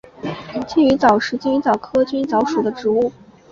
金鱼藻是金鱼藻科金鱼藻属的植物。